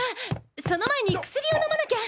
その前に薬を飲まなきゃ！！